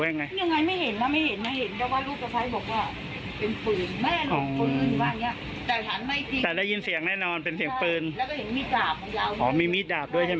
แล้วก็เขาเอาออกมาพี่เขาเห็นเลือดเต็มไปหมดเลย